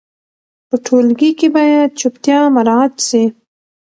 په ټولګي کې باید چوپتیا مراعت سي.